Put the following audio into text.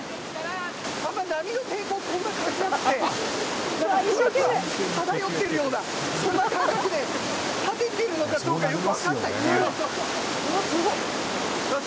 あんまり波の抵抗をそんなに感じなくて、一生懸命漂っているような、そんな感じで、立てているのかどうかよく分からない。